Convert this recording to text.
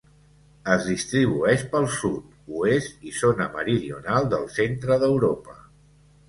Es distribueix pel sud, oest i zona meridional del centre d'Europa.